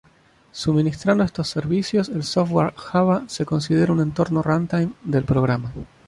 Suministrando estos servicios, el software Java se considera un entorno runtime del programa.